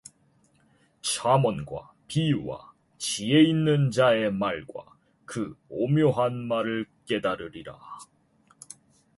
잠언과 비유와 지혜있는 자의 말과 그 오묘한 말을 깨달으리라